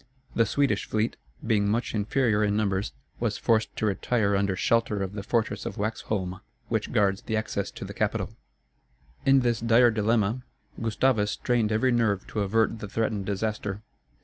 The Swedish fleet, being much inferior in numbers, was forced to retire under shelter of the fortress of Waxholm, which guards the access to the capital. In this dire dilemma, Gustavus strained every nerve to avert the threatened disaster.